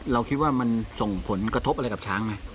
เราคิดว่ามันส่งผลกระทบอะไรกับช้างไหม